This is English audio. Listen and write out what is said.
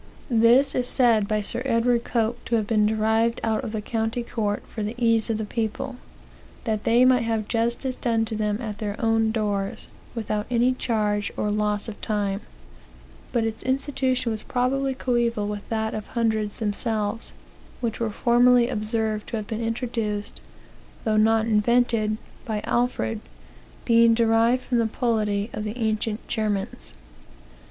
This is said by Sir Edward Coke to have been derived out of the county court for the ease of the people, that they might have justice done to them at their own doors, without any charge or loss of time; but its institution was probably coeval with that of hundreds themselves, which were formerly observed to have been introduced, though not invented, by Alfred, being derived from the polity of the ancient Germans.